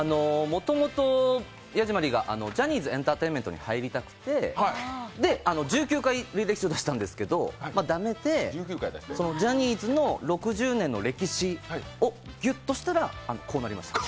もともとヤジマリーがジャニーズエンターテインメントに入りたくて１９回履歴書出したんですけど、だめで、ジャニーズの６０年の歴史をギュッとしたら、こうなりました。